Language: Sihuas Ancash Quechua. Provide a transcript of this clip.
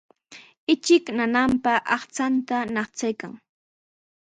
Ichik ñañanpa aqchanta ñaqchaykan.